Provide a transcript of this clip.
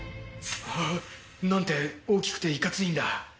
あっ、なんて大きくていかついんだ。